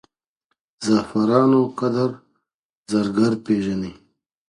زعفرانو قدر زرګر پېژني.